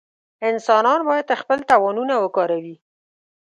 انسانان باید خپل توانونه وکاروي.